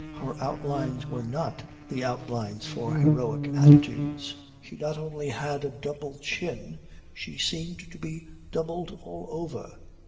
Her outlines were not the outlines for heroic attitudes. She not only had a double chin, she seemed to be doubled all over.